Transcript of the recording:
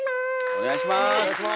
お願いします。